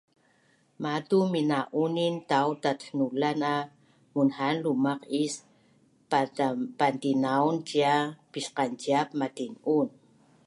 Matu mina’unin tau tatnulan a munhan lumaq is pantinaun cia pisqanciap matin’un